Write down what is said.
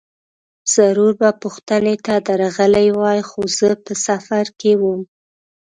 ضرور به پوښتنې ته درغلی وای، خو زه په سفر کې وم.